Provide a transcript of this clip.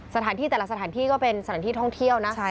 สถานที่แต่ละสถานที่ก็เป็นสถานที่ท่องเที่ยวนะ